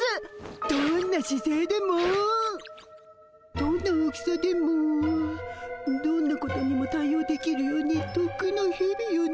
どんなしせいでもどんな大きさでもどんなことにも対応できるようにとっくんの日々よね。